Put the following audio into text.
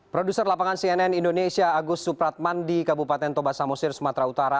produser lapangan cnn indonesia agus supratman di kabupaten toba samosir sumatera utara